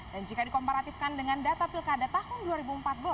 dan jika dikomparatifkan dengan data pilkada tahun dua ribu empat belas